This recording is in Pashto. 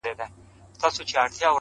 o وينه د وجود مي ده ژوندی يم پرې،